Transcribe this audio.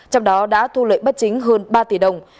trong đó đã thu lợi bất chính hơn ba tỷ đồng